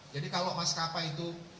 jadi kalau maskapai itu